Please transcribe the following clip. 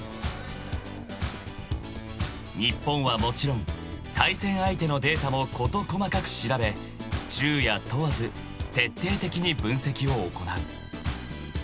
［日本はもちろん対戦相手のデータも事細かく調べ昼夜問わず徹底的に分析を行う］